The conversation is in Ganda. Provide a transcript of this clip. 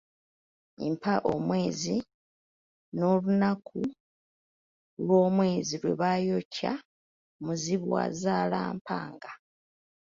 Mpa omwezi n’olunaku lwomwezi lwe baayokya Muzibwazalampanga.